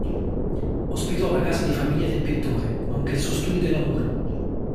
Ospitò la casa di famiglia del pittore, nonché il suo studio di lavoro.